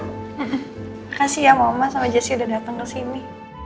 makasih ya mama sama jessi udah dateng ke sini